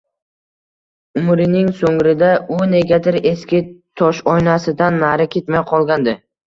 Umrining so’ngida u negadir eski toshoynasidan nari ketmay qolgandi.